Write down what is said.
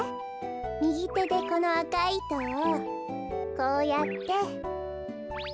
みぎてでこのあかいいとをこうやって。